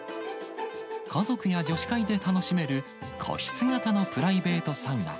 家族や女子会で楽しめる、個室型のプライベートサウナ。